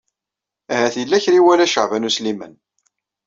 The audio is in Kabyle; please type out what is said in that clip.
Ahat yella kra i iwala Caɛban U Sliman.